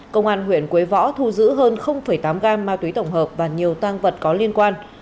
công an huyện quế võ thu giữ hơn tám gam ma túy tổng hợp và nhiều tăng vật có liên quan